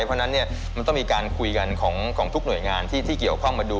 เพราะฉะนั้นมันต้องมีการคุยกันของทุกหน่วยงานที่เกี่ยวข้องมาดู